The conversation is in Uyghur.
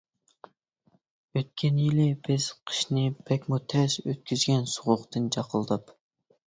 ئۆتكەن يىل بىز قىشنى بەكمۇ تەس، ئۆتكۈزگەن سوغۇقتىن جاقىلداپ.